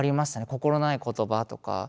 心ない言葉とか。